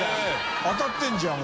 当たってるじゃん俺。